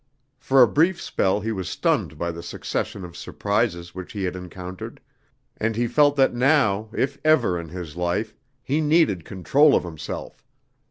For a brief spell he was stunned by the succession of surprises which he had encountered, and he felt that now, if ever in his life, he needed control of himself.